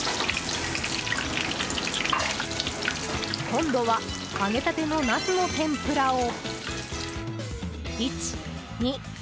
今度は揚げたてのナスの天ぷらを。